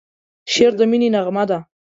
شعر د مینې نغمه ده.